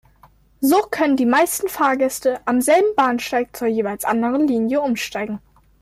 So können die meisten Fahrgäste am selben Bahnsteig zur jeweils anderen Linie umsteigen.